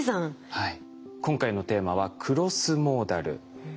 はい。